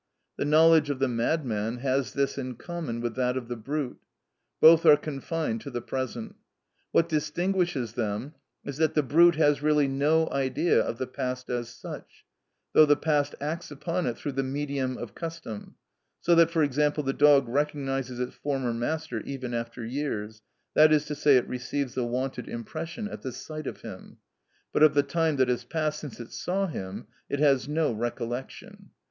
The knowledge of the madman has this in common with that of the brute, both are confined to the present. What distinguishes them is that the brute has really no idea of the past as such, though the past acts upon it through the medium of custom, so that, for example, the dog recognises its former master even after years, that is to say, it receives the wonted impression at the sight of him; but of the time that has passed since it saw him it has no recollection.